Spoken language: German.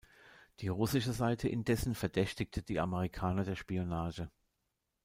Die russische Seite indessen verdächtigte die Amerikaner der Spionage.